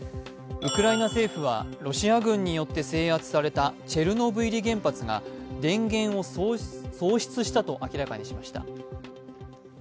ウクライナ政府はロシア軍によって制圧されたチェルノブイリ原発が電源を喪失したと明らかにしました。